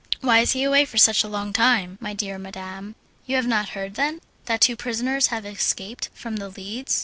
"Why is he away for such a long time, my dear madam?" "You have not heard, then, that two prisoners have escaped from The Leads?